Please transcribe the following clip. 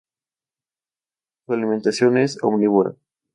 Su alimentación es omnívora.